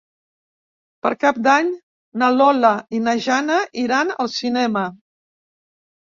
Per Cap d'Any na Lola i na Jana iran al cinema.